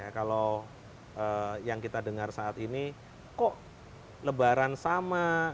kalau yang kita dengar saat ini kok lebaran sama